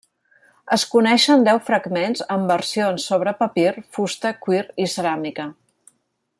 Es coneixen deu fragments, amb versions sobre papir, fusta, cuir i ceràmica.